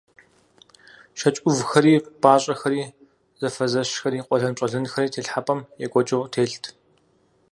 ЩэкӀ Ӏувхэри, пӀащӀэхэри, зэфэзэщхэри, къуэлэнпщӀэлэнхэри телхьэпӀэм екӀуэкӀыу телът.